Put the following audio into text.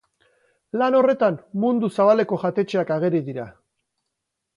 Lan horretan, mundu zabaleko jatetxeak ageri dira.